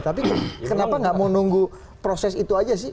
tapi kenapa nggak mau nunggu proses itu aja sih